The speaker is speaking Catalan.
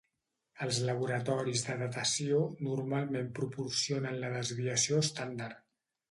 Els laboratoris de datació normalment proporcionen la desviació estàndard.